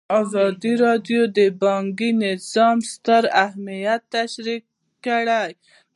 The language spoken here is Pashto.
ازادي راډیو د بانکي نظام ستر اهميت تشریح کړی.